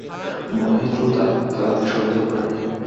মহেন্দ্রও তাহাকে সন্দেহ করে নাই।